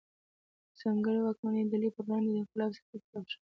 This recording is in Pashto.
د ځانګړې واکمنې ډلې پر وړاندې د انقلاب څپې پراخې شوې.